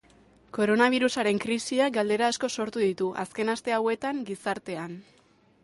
Koronabirusaren krisiak galdera asko sortu ditu, azken aste hauetan, gizartean.